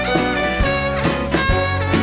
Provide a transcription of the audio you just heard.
จะเป็นเส้นรวก